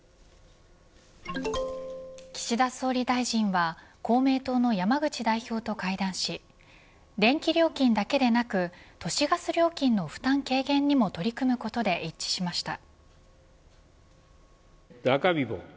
岸田総理大臣は公明党の山口代表と会談し電気料金だけでなく都市ガス料金の負担軽減にも取り組むことで一致しました。